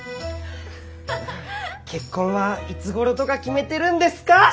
結婚はいつごろとか決めてるんですか？